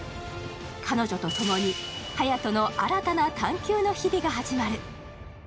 彼女と共に隼人の新たな探求の日々が始まる。